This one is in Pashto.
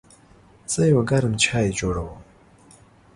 زه یو ګرم چای جوړوم.